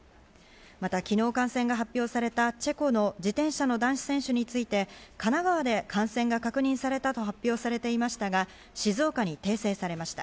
また、昨日、感染が発表されたチェコの自転車の男子選手について、神奈川で感染が確認されたと発表されていましたが、静岡に訂正されました。